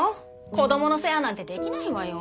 子どもの世話なんてできないわよ。